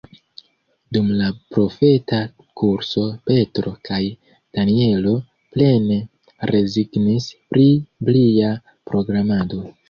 Dum la profeta kurso Petro kaj Danjelo plene rezignis pri plia programado.